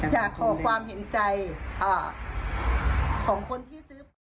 อยากขอความเห็นใจของคนที่ซื้อไป